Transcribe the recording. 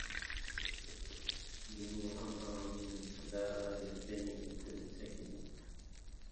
دموعها من حذار البين تنسكب